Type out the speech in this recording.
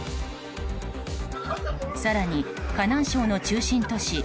更に河南省の中心都市